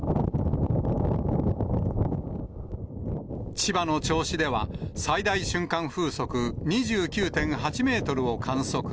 千葉の銚子では、最大瞬間風速２９．８メートルを観測。